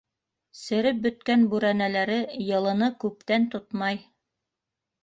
Сереп бөткән бүрәнәләре йылыны күптән тотмай.